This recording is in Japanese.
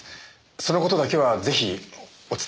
その事だけはぜひお伝えしたくて。